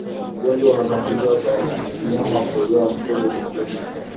ugonjwa unaotambuliwa kwa mnyama kukojoa mkojo mwekundu